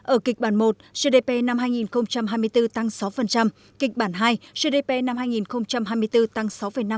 ở kịch bản một gdp năm hai nghìn hai mươi bốn tăng sáu kịch bản hai gdp năm hai nghìn hai mươi bốn tăng sáu năm